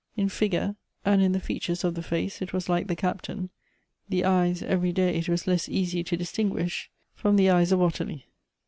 In figure and in the features of the face, it was like the Captain ; the eyes every day it was less easy to distinguish from the eyes of Ottilie.